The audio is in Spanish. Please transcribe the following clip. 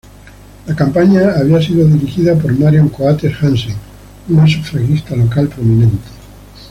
La campaña había sido dirigida por Marion Coates Hansen, una sufragista local prominente.